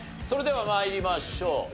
それでは参りましょう。